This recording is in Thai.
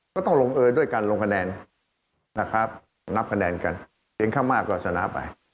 ก็ต้องลงเออด้วยการลงคะแนนนับคะแนนกันเสียงข้างมากก็จะนับไป